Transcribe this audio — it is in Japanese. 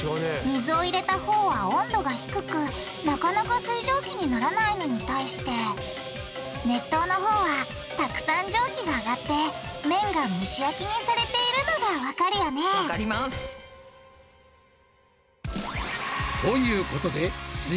水を入れたほうは温度が低くなかなか水蒸気にならないのに対して熱湯のほうはたくさん蒸気が上がってめんが蒸し焼きにされているのがわかるよねわかります！ということです